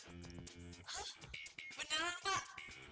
hah beneran pak